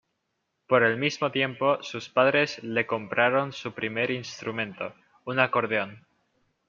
Por el mismo tiempo, sus padres le compraron su primer instrumento, un acordeón.